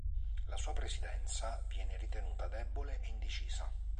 La sua presidenza viene ritenuta debole e indecisa.